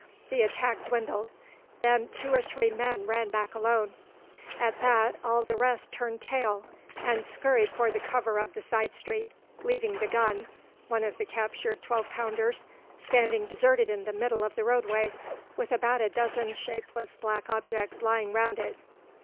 The attack dwindled. Then two or three men ran back alone. At that all the rest turned tail and scurried for the cover of the side street, leaving the gun (one of the captured twelve pounders) standing deserted in the middle of the roadway, with about a dozen shapeless black objects lying round it.